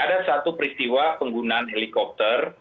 jadi ada satu peristiwa penggunaan helikopter